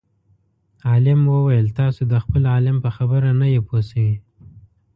عالم وویل تاسو د خپل عالم په خبره نه یئ پوه شوي.